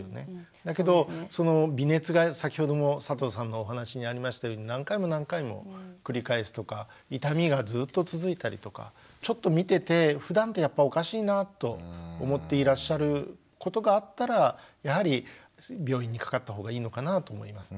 だけどその微熱が先ほどの佐藤さんのお話にありましたように何回も何回も繰り返すとか痛みがずっと続いたりとかちょっと見ててふだんとやっぱおかしいなぁと思っていらっしゃることがあったらやはり病院にかかったほうがいいのかなと思いますね。